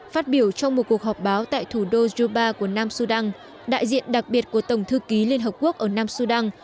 phát biểu trong một cuộc họp báo tại thủ đô juba của nam sudan đại diện đặc biệt của tổng thư ký liên hợp quốc ở nam sudan